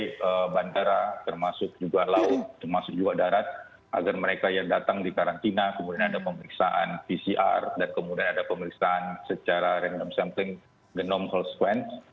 di bandara termasuk juga laut termasuk juga darat agar mereka yang datang di karantina kemudian ada pemeriksaan pcr dan kemudian ada pemeriksaan secara random sampling whole sequence